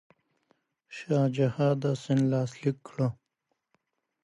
شاه شجاع دا سند لاسلیک کړ.